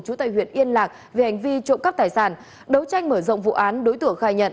chú tây huyện yên lạc về ảnh vi trộm cắp tài sản đấu tranh mở rộng vụ án đối tưởng khai nhận